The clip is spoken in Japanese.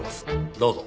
どうぞ。